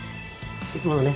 いつものね。